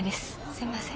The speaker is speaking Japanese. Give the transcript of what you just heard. すいません。